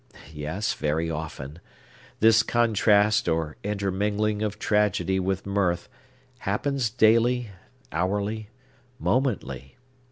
Yes, very often. This contrast, or intermingling of tragedy with mirth, happens daily, hourly, momently.